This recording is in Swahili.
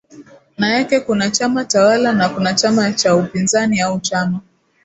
na yake kuna chama tawala na kuna chama cha upinzani au chama